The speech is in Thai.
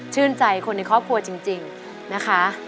ชื่นใจคนในครอบครัวจริงนะคะ